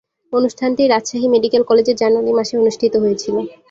অনুষ্ঠানটি রাজশাহী মেডিকেল কলেজে জানুয়ারি মাসে অনুষ্ঠিত হয়েছিলো।